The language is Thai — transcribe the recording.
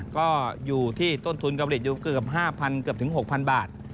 ก็อยู่ที่ต้นทุนการผลิตอยู่เกือบ๕๐๐เกือบถึง๖๐๐บาท